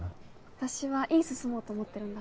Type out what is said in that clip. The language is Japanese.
私は院進もうと思ってるんだ